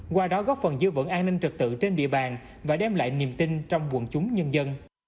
qua đó góp phần giữ vững an ninh trực tự trên địa bàn và đem lại niềm tin trong quần chúng nhân dân